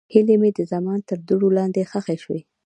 هیلې مې د زمان تر دوړو لاندې ښخې شوې.